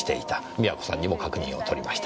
美和子さんにも確認を取りました。